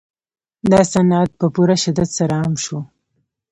دا صنعت په پوره شدت سره عام شو